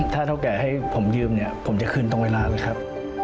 ถ้าเท่าแก่ให้ผมยืมเนี่ยผมจะคืนตรงเวลาเลยครับ